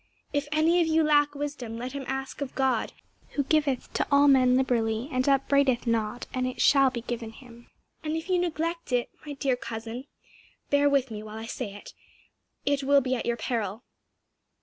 "'If any of you lack wisdom, let him ask of God, who giveth to all men liberally and upbraideth not: and it shall be given him.' "And if you neglect it, my dear cousin, bear with me, while I say it it will be at your peril."